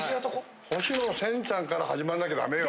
星野仙ちゃんから始まんなきゃダメよ。